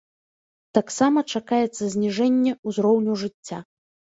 Таксама чакаецца зніжэнне ўзроўню жыцця.